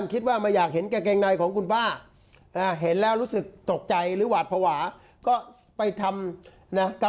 ก็ได้ครับ